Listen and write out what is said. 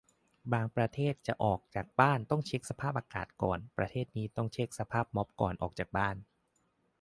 บางประเทศจะออกจากบ้านต้องเช็คสภาพอากาศก่อน ประเทศนี้ต้องเช็คสภาพม็อบก่อน ออกจากบ้าน